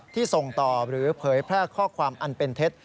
ส่งต่อหรือเผยแพร่ข้อความอันเป็นเท็จ